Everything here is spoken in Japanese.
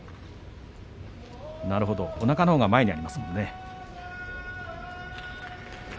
なるほど、おなかのほうが前にありますものね。